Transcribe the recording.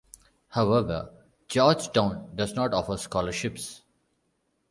However, Georgetown does not offer scholarships.